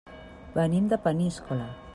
Venim de Peníscola.